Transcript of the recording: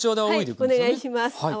はいお願いします。